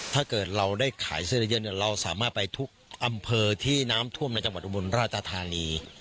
ถ้าเกิดเราได้ขายเสื้อได้เยอะเนี่ยเราสามารถไปทุกอำเภอที่น้ำท่วมในจังหวัดอุบลราชธานี